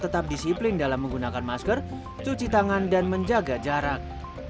tetap disiplin dalam menggunakan masker cuci tangan dan menjaga jarak